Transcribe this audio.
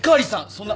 そんな！